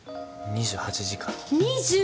２８時間？